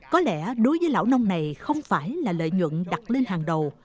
có lẽ đối với lão nông này không phải là lợi nhuận đặt lên hàng đầu